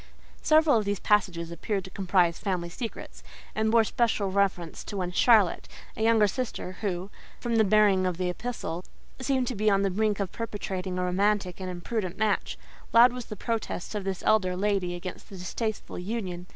Several of these passages appeared to comprise family secrets, and bore special reference to one "Charlotte," a younger sister who, from the bearing of the epistle, seemed to be on the brink of perpetrating a romantic and imprudent match; loud was the protest of this elder lady against the distasteful union.